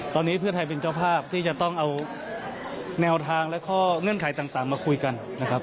ตอนนี้เพื่อไทยเป็นเจ้าภาพที่จะต้องเอาแนวทางและข้อเงื่อนไขต่างมาคุยกันนะครับ